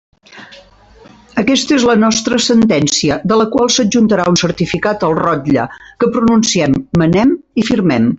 Aquesta és la nostra sentència, de la qual s'adjuntarà un certificat al rotlle, que pronunciem, manem i firmem.